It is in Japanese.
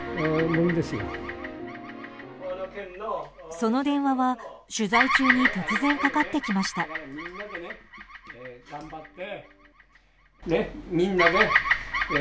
その電話は取材中に突然かかってきました。